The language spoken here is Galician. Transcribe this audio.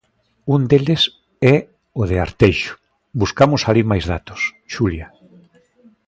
Un deles é o de Arteixo, buscamos alí máis datos: Xulia.